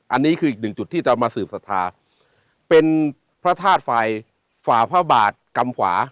อันนี้คืออีกหนึ่งจุดที่จะมาสืบศรัทธาเป็นพระธาตุไฟฝ่าพระบาทกำขวา